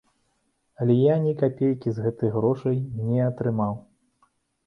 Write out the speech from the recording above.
Але я ні капейкі з гэтых грошай не атрымаў!